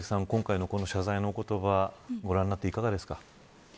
今回の謝罪の言葉ご覧になっていかがですか。